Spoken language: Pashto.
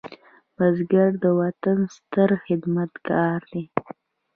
بزګر د وطن ستر خدمتګار دی